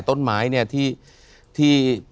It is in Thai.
ต้นไม้เนี่ยที่